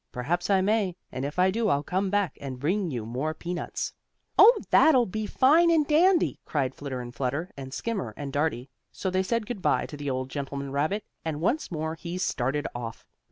Perhaps I may, and if I do I'll come back and bring you more peanuts." "Oh, that'll be fine and dandy!" cried Flitter and Flutter, and Skimmer and Dartie. So they said good by to the old gentleman rabbit, and once more he started off.